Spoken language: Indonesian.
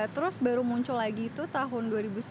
terus baru muncul lagi itu tahun dua ribu sembilan belas